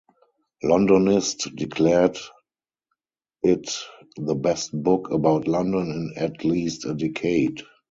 "Londonist" declared it 'the best book about London in at least a decade'.